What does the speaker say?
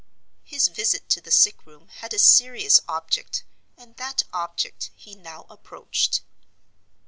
His visit to the sick room had a serious object, and that object he had now approached.